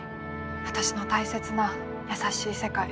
私の大切な優しい世界。